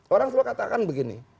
orang selalu katakan begini